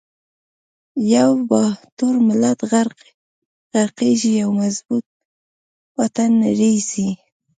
یو با تور ملت غر قیږی، یو مظبو ط وطن نړیزی